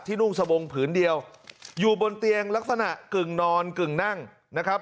นุ่งสบงผืนเดียวอยู่บนเตียงลักษณะกึ่งนอนกึ่งนั่งนะครับ